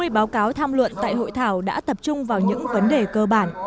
sáu mươi báo cáo tham luận tại hội thảo đã tập trung vào những vấn đề cơ bản